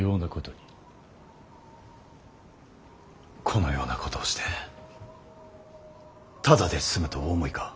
このようなことをしてただで済むとお思いか。